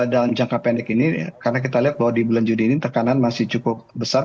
dalam jangka pendek ini karena kita lihat bahwa di bulan juni ini tekanan masih cukup besar